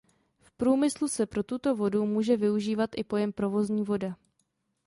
V průmyslu se pro tuto vodu může využívat i pojem provozní voda.